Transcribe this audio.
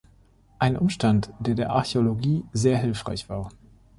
Ein Umstand, der der Archäologie sehr hilfreich war.